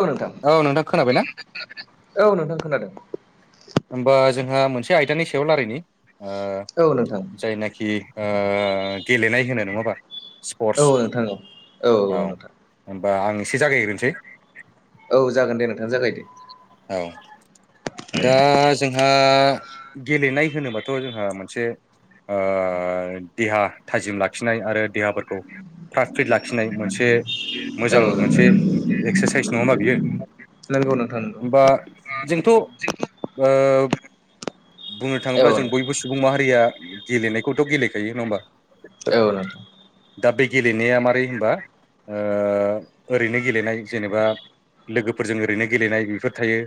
औ नोंथां नोंथां खोनाबायना औ नोंथां खोनादों। होमबा जोंहा मोनसे आयदानि सायाव रायलायनि। ओ औ नोंथां जायनाखि ओ गेलेनाय होनो नङा होमबा। औ स्पर्टस नोंथां औ औ नोंथां होनबा आं एसे जागायग्रोनोसै। औ जागोन दे नोंथां जागायदो। औ दा जोंहा गेलेनाय होनोबाथ' जोंहा मोनसे ओ देहा थाजिम लाखिनाय आरो देहाफोरखौ फ्रात-फ्रिट लाखिनाय मोनसे औ मोजां मोनसे नोंथां एक्सारसाइस नङा ओमबा बियो? नंगौ नोंथां नंगौ होनबा जोंथ' ओ बुंनो औ थाङोब्ला जों बयबो नोंथां सुबुं माहारिया गेलेनायखौथ' गेलेखायो नङा होमबा? औ नोंथां। दा बे गेलेनाया मारै होनबा ओ ओरैनो गेलेनाय जेनेबा लोगोफोरजों ओरैनो गेलेनाय बेफोर थायो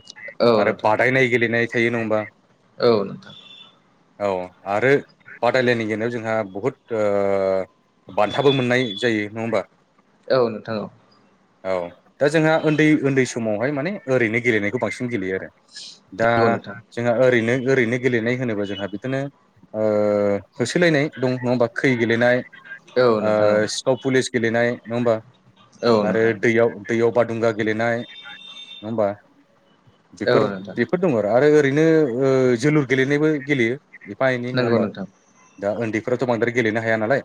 आरो बादायनाय गेलेनाय थायो। नङा होमबा? औ नोंथां। औ आरो बादायलायनो गेलेनायाव जोंहा बहुद ओ बान्थाबो मोननाय जायो। नङा होमबा? औ नोंथां औ। औ दा जोंहा उन्दै-उन्दै समावहाय माने ओरैनो गेलेनायखौ बांसिन गेलेयो आरो। दा जोंहा ओरैनो ओरैनो गेलेनाय होनोब्ला जोंहा बिदिनो ओ होसोलायनाय दं नङा खै गेलेनाय औ ओ सिखाव पुलिस गेलेनाय। नङा होमबा? आरो नोंथां दैयाव दैयाव बादुंगा गेलेनाय। नङा होमबा? बेफोर औ बेफोर दङ आरो ओरैनो ओ जोलुर गेलेनायबो गेलेयो एफा-एनै। नङा नंगौ होमबा? नोंथां दा उन्दैफथ' बांद्राय गेलेनो हाया नालाय।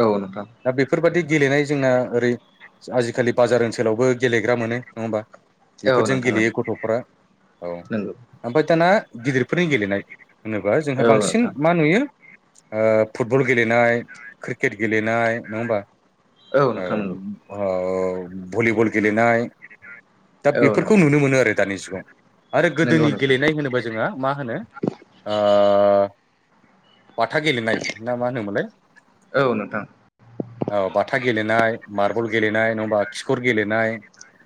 औ नोंथां दा बेफोरबादि गेलेनाय जोंना ओरै- आजिखालि बाजार ओनसोलावबो गेलेग्रा मोनो। नङा होमबा? औ नोंथां औ बेफोरजों गेलेयो नोंथां गथ'फोरा औ नंगौ ओमफ्राय दाना गिदिरफोरनि गेलेनाय होनोबा जोंहा बांसिन नोंथां मा नुयो ओ फुटबल गेलेनाय क्रिकेट गेलेनाय। नङा होमबा? औ ओ भलिबल गेलनाय। दा औ नोंथां औ नोंथां औ बेफोरखौ नुनो मोनो आरो दानि जुगाव आरो नंगौ औ नोंथां औ नोंथां नंगौ औ नोंथां नंगौ गोदोनि नोंथां गेलेनाय होनोबा जोंहा मा होनो ओ बाथा गेलेनाय। ना मा होनोमोनलाय? औ नोंथां औ बाथा गेलेनाय, मार्बल गेलेनाय, नङा होमबा खिखर गेलेनाय।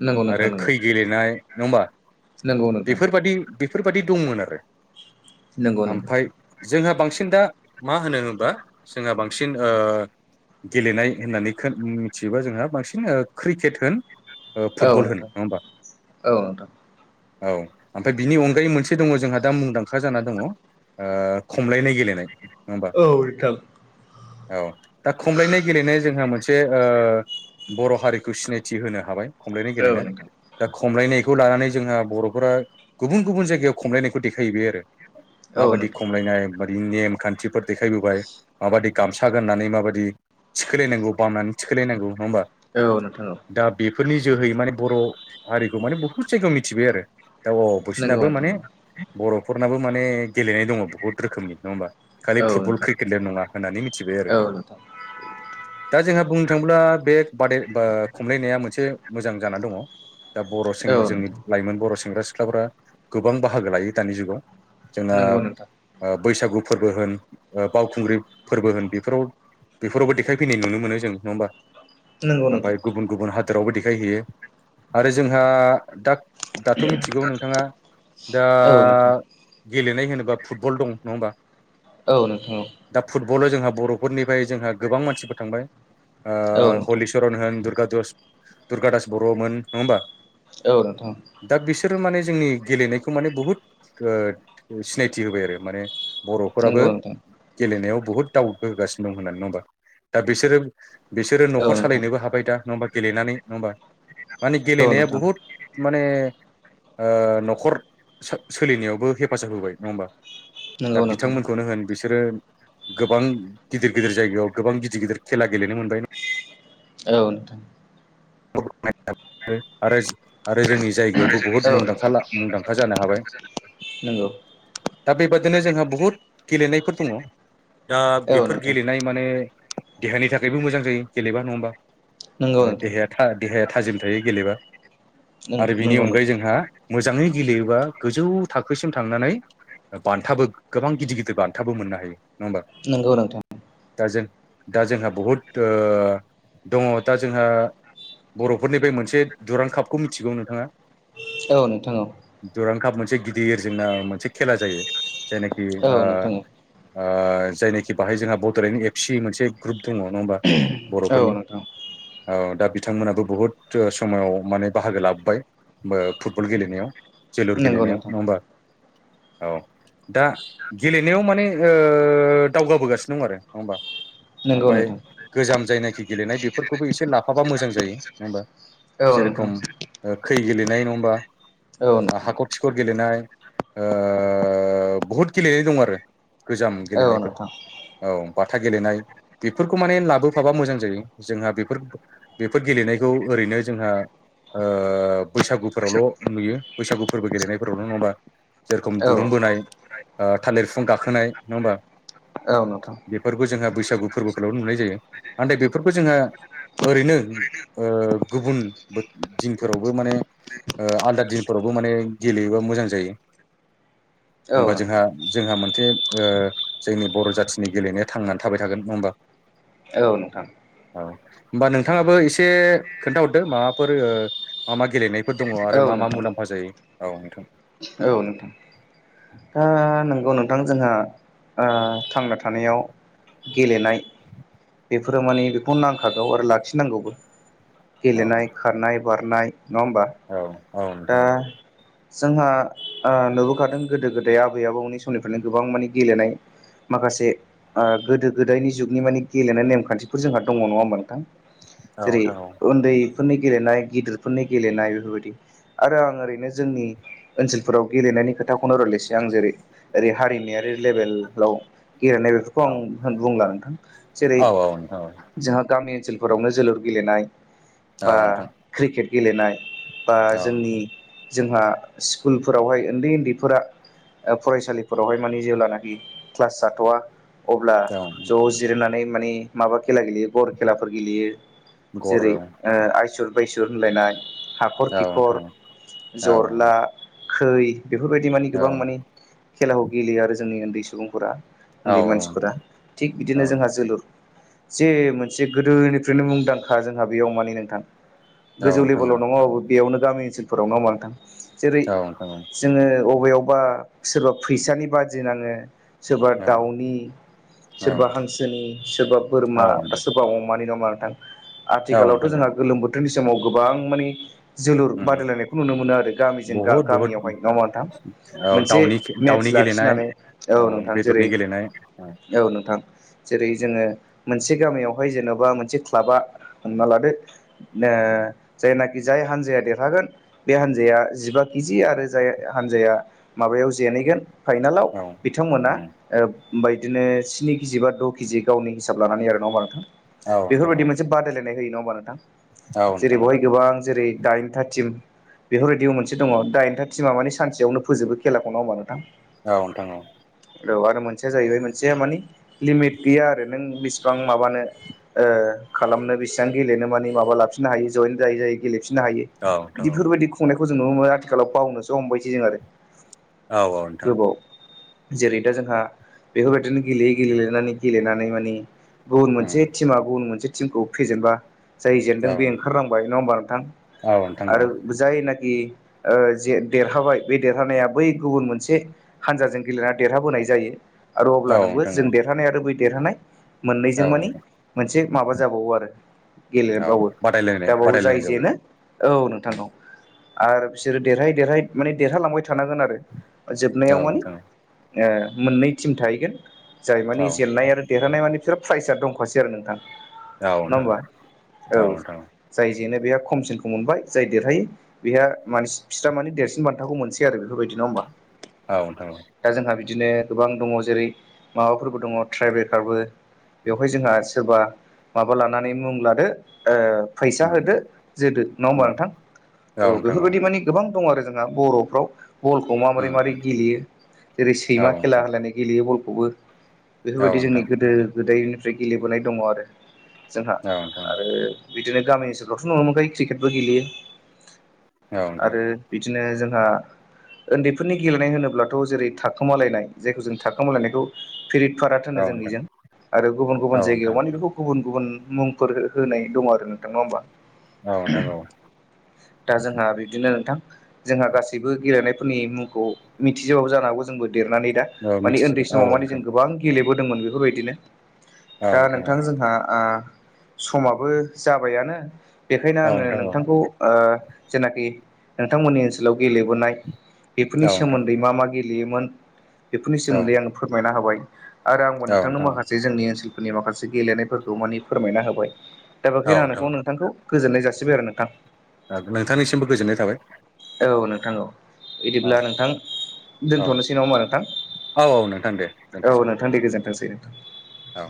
नंगौ नोंथां आरो खै गेलेनाय। नङा होमबा? नंगौ नोंथां। बेफोरबायदि दंमोन आरो। नंगौ नंगौ। ओमफ्राय जोंहा बांसिन दा मा होनो होनोबा जोंहा बांसिन ओ गेलेनाय होननानै को उम मिथियोबा जोंहा बांसिन क्रिकेट होन। ओ औ फुटबल होन नोंथां नङा होमबा औ नोंथां। औ ओमफ्राय बिनि अनगायै मोनसे दङ जोंहा दा मुंदांखा जाना दङ, ओ खमलायनाय गेलेनाय नङा होमबा, औ नोंथां औ दा खमलायनाय गेलेनाया जोंहा मोनसे ओ बर' हारिखौ सिनायथि होनो हाबाय खमलायनाय औ गेलेनो नोंथां दा खमलायनायखौ लानानै जोंङा, बर'फोरा गुबुन गुबुन जायगायाव खमलायनायखौ देखाय हैबाय आरो औ माबायदि नोंथां खमलायनाय माबादि नेम खान्थिफोर देखायबोबाय माबायदि गामसा गाननानै मा बायदि, थिखोलायनांगौ बामनानै थिखोलायनांगौ नङा होमबा औ नोंथां औ दा बेफोरनि जोहै माने बर' हारिखौ माने बहुद जायगायाव मिथिबाय आरो दा औ नंगौ बैसिनाबो माने नोंथां बर'फोरनाबो माने गेलेनाय दङ बहुद रोखोमनि नङा होमबा, खालि औ फुटबल नोंथां क्रिकेट ल' नङा होननानै मिथिबाय आरो औ नोंथां दा जोंहा बुंनो थाङोब्ला बे बादाय खमलायनाया मोनसे मोजां जानानानै दङ, दा बर' औ सेंग जोंनि नोंथां लाइमोन बर' सेंग्रा सिख्लाफोरा गोबां बाहागो लायो दानि जुगाव, जोंना नोंगौ नोंथां ओ बैसागु फोरबो होन बावखुंग्रि फोरबो होन बेफोराव बेफोरावबो देखायफैनाय नुनो मोनो जों नङा हबा नंगौ ओमफ्राय नोंथां गुबुन गुबुन हाद, जेरावबो देखायहैयो आरो जोंहा दा दाथ' मिथिगौ नोंथाङा, दा औ नोंथां गेलेनाय होनोबा फुटबल दं नङा होमबा, औ नोंथां औ बल' जोंहा बर'फोरनिफ्राय जोंहा गोबां मानसिफोर थांबाय ओ औ नोंथां हलिचरन होन दुर्गा, दुर्गा दास बर'मोन नङा होमबा, औ नोंथां दा बिसोरो माने जोंनि गेलेनायखौ माने बुहुद सिनायथि होबाय आरो माने, बर'फोराबो नंगौ नोंथां गेलेनायाव बुहुद दाउ होगासिनो दं होननानै नङा होमबा दा बिसोरो बिसोरो औ न'खर नोंथां सालायनोबो हाबाय दा नङा हाबा गेलेनानै नङा होमबा माने औ गेलेनाया नोंथां बुहुद माने ओ न'खर सोलिनायावबो हेफाजाब होबाय नङा होमबा दा नंगौ नोंथां बिथांमोनखौनो होन बिसोरो, गोबां गिदिर गिदिर जायगायाव गोबां गिदिर गिदिर खेला गेलेनो मोनबाय, औ नोंथां [unintelligible] आरो आरो जोंनि, जायगायावबो बुहुद मुंदांखा मुंदांखा जानो हाबाय। नंगौ दा बेबादिनो जोंहा बुहुद गेलेनायफोर दङ। दा औ बेफोर नोंथां गेलेनाय माने देहानि थाखायबो मोजां जायो। गेलेबा नङा होमबा, नोंगौ ओ नोंथां देहाया था देहाया थाजिम थायो गेलेबा आरो बिनि नंगौ अनगायै नोंथां जोंहा मोजाङै, गेलेयोबा गोजौ थाखोसिम थांनानै बान्थाबो गोबां गिदिर गिदिर बान्थाबो मोननो हायो। नङा होमबा नंगौ नोंथां दाजों, दा जोंहा बुहुद दङ दा जोंहा। बर'फोरनिफ्राय मोनसे दुरां कापखौ मिथिगौ नोंथाङा? औ नोंथां औ, दुरां काप मोनसे गिदिर जोंना मोनसे खेला जायो जायनाखि ओ औ नोंथां ओ जायनाखि बाहाय जोंहा बड'लेण्ड एफ सि मोन ग्रुप, दङ नङा होमबा औ बर'फोरनि नोंथां औ, दा बिथांमोनाबो बुहुद समाव माने बाहागो लाबोबाय फुटबल गेलेनायाव, जोलुुर नंगौ गेलेनायावन नोंथां नङा होमबा, औ दा गेलेनायाव माने ओ दावगाबोगासिनो दं आरो नङा होमबा, नंगौ ओमफ्राय नोंथां गोजाम जायनाखि गेलेनाय बेफोरखौबो एसे लाफाबा मोजां जायो नङा होमबा, औ नोंथां, जेरेखम ओ खै गेलेनाय नङा होमबा, औ नोंथां ओ गेलेनाय बहुद गेलेनाय दं आरो गोजाम औ गेलेनायफोर नोंथां औ बाथा गेलेनाय बेफोरखौ माने लाबोफाबा मोजां जायो जोंहा बेफोर - बेफोर गेलेनायखौ ओरैनो जोंहा ओ बैसागुफोरावल' नुयो बैसागु फोरबो गेलेनायफोरावल' नङा होमबा जेरखम दुरुं औ बोनाय थालिर बिफां गाखोनाय नङा होमबा- औ नोंथां बेफोरखौ जोंहा बैसागु फोरबोखौल' नुनाय जायो नाथाय बेफोरखौ जोंहा ओरैनो अ गुबुन दिनफोरावबो माने- आलदा दिनफोरावबो माने गेलेयोबा मोजां जायो- औ होमबा जोंहा नोंथां जोंहा मोनसे जोंनि बर' जाथिनि गेलेनाया थांनानै थाबाय थागोन नङा होमबा? औ नोंथां औ होमबा नोंथाङाबो एसे खोन्थाहरदो माबाफोर मा मा गेलेनायफोर दङ औ आरो मा मा नोंथां मुलाम्फा जायो? औ नोंथांखौ औ नोंथां दा नों औ नोंथां जोंहा थांना थानायाव गेलेनाय बेफोरो माने बेखौ नांखागौ आरो लाखिनांगौबो। औ गेलेनाय खारनाय बारनाय नङा हबा औ औ दा नोंथां औ जोंहा नुबोखादों गोदो गोदाय आबै आबौनि समनिफ्रायनो गोबां मानिे गेलेनाय माखासे गोदो गोदायनि जुगनि माने गेलेनाय नेमखान्थिफोर जोंहा दङ नङा होमा नोंथां औ जेरै नोंथां औ उन्दै फोरनि गेलेनाय गेदिरफोरनि गेलेनाय बेफोरबायदि आरो आं ओरैनो जोंनि ओनसोलफोराव गेलेनाय नायनि खोथाखौनो रस आं जेरै ओरै हारिमारि लेभेलाव गेलेनाय बेफोरखौ आं होन बुंला नोंथां जेरै औ औ नोंथां जोंहा गामि ओनसोलफोरावनो जोलुर गेलेनाय औ औ बा नोंथां क्रिकेट गेलेनाय- बा औ जोंनि जोंहा स्कुलफोरावहाय उन्दै उन्दैफोरा फरायसालिफोरावहाय माने जेब्लानाखि क्लास जाथ'वा अब्ला औ ज' जिरायनानै- मे मा खेला गेलेयो ग खेलाफोर गेलेयो गर जेरै औ आइस बैस होनलायनाय हाखर औ खिखर नोंथां औ जरला खै बेफोरबायदि मानि औ गोबां मानि नोंथां खेलाखौ गेलेयो आरो जोंनि उन्दै सुबुंफोरा- औ उन्दै नोंथां औ मानसिफोरा नोंथां औ थिग औ बिदिनो जोंहा जोलुर जे मोनसे गोदोनिफ्रायनो मुंदांखा जोंहा बेयाव माने नोंथां औ गोजौ नोंथां लेभेलाव नङाबाबो बेयावनो गामि ओनसोलफोराव नङा होमबा नोंथां? जेरै जोङो अबे अबा सोरबा फैसानि बादि नाङो सोरबा दाउनि- सोरबा हांसोनि सोरबा बोरमा बा सोरबा अमानि नाम आरो औ आथिखालावथ' नोंथां जोंहा औ गोलोम बोथोरनि समाव गोबां मानि जोलुर उम बादायलायनायखौ नुनो मोनो आरो गामिजों बहुद बहुद गामियावहाय नङा होमबा‌ नोंथां? औ जे दाउनि मेटस दाउनि गेलेनाय लाखिनानै औ नोंथां जेरै औ नोंथां जेरै जोङो मोनसे गामियावहाय जेन'बा मोनसे क्लाबा हमना लादो जायनाखि जाय हानजाया देरहागोन बे हानजाया जिबा केजि आरो जाय हानजाया माबायाव जेनैगोन फाइनालाव औ बिथांमोना ओमा बिदिनो स्नि केजि बा द' केजि गावनि हिसाब लानानै आरो न' बारथां औ नोंथां बेफोरबायदि औ मोनसे बादायलायनाय होयो नङा होमबा नोंथां औ जेरै नोंथां औ बेवहाय गोबां जेरै- दाइनथा टिम बेफोरबायदियाव मोनसे दङ दाइनथा टिमा मानि सानसेयावनो फोजोबो खेलाखौनो होमबा नोंथां? औथां औ औ आरो मोनसेया जाहैबाय मोनसेया मानि लिमिट गैया आरो नों बिसिबां माबानो खालामनो बेसिबां गेलेनो माने माबा लाफिननो हायो जयेन जायै जायो गेलेफिन फिनो हायो औ नोंथां बिदि बेफोरबायदि खुंनायखौ जों नुनो मोनो आथिखालाव बावनोसो हमबायसै जों आरो - औ औ नोंथां। जेरै दा जोंहा बेफोरबायदिनो गेलेयै गेलेेनानै गेलेनानै मानिे गुबुन उम मोनसे टिमा गुबुन मोनसे टिमखौ फेजेनबा जाय जेनदों औ बे ओंखारलांबाय नङा ह्बार औ नोंथां औ आरो जायनाखि देरहाबाय बे देरहानाया बै गुबुन मोनसे हान्जाजों गेलेनानै देरहाबोनाय जायो आरो अब्ला औ नोंबो नोंथां जों देरहानाय आरो बै देरहानाय औ मोननैजों मानि नोंथां मोनसे माबा जाबावो आरो औ गेलेबावो बादायलायनाय दाबावो जाय बादायलायनाय जावो जेनो औ उम नोंथांाव आरो बिसोरो देरहायै देरहायै माने देरहालांबाय थानांगोन आरो जोबनायाव औ माने नोंथां मोननै टिम थाहैगोन जाय औ मानि जेलनाय आरो देरहानाय मानि बिसोर प्राइजआ दंखासै आरो नोंथां औ नङा नोंथां होमबा औ औ जाय नो बे खमसिन मोनबाय जाय देरहायो बे फस मानि देरसिन खोथाखौ मोनसै आरो बेफोरबायदि नङ होनोमबा औथां बिदिनो गोबां दङ जेरै माबाफोरबो दङ ट्राइबखारबो बेवहाय जोंहा सोरबा माबा लानानै मुं लादो फैसा उम होदो जोदो नङा होमबा उम नोंथां औ बेफोरबायदि मानिे गोबां दं आरो जोंहा बर'फ्राव बलखौ माबोरै उम माबोरै उम गेलेयो जेरै औ सैमा खेला नोंथां होलायनाय गेलेयो बल खौबो औ बेफोरबायदि जोंनि नोंथां गोदो गोदायनिफ्राय गेलेबोनाय दङ आरो जोंहा औ नोंथां आरो बिदिनो गामि ओनसोलावथ' नुनो मोनखायो क्रिकेटबो गेलेयो औ नोंथां दे जोंहा उन्दैफोरनि गेलेनाय होनोब्लाथ' जेरै थाखोमालायनाय जायखौ जों थाखोमालायनायखौ फिरित फारत होनो औ नोंथां औ जोंनिजों आरो गुबुन गुबुन जायगायाव नोंथां माने बेखौ गुबुन गुबुन मुंफोर होनाय दङ आरो नोंथाङा होमबा औ नोंथां औ दा जोंहा बिदिनो नोंथां जोंहा गासैबो गेलेनायफोरनि मुंखौ मिथिजोबाबो जानो हागौ जोंबो देरनानै दा औ माने उन्दै मिथिजोबाय औ समाव माने नोंथां जों गोबां गेलेबोदोंमोन बेफोरबायदिनो औ दा औ नोंथां जोंहा समाबो जाबायानो बेखायनो औ आङो नोंथां औ नोंथांखौ जेनाखि नोंथांमोननि ओनसोलाव गेलेबोनाय बेफोरनि औ नोंथां सोमोन्दै मा मा गेलेयोमोन बेफोरनि औ सोमोन्दै आङो फोरमायना होबाय आरो आंबो नोंथांनो नोंथां माखासे जोंनि ओनसोलफोरनि माखासे गेलेनायफोरखौ मानि फोरमायना होबाय दा औ बेखै औ ना नोंथां नोंखौ नोंथांखौ गोजोननाय जासिबाय आरो नोंथां औ नोंथांनिसिमबो गोजोननाय थाबाय औ नोंथां औ औ बिदिब्ला नोंथां औ दोनथ'नोसै नङा हा नोंथां औ औ नोंथां दे औ दोनथ'सै नोंथां [inaudible] औ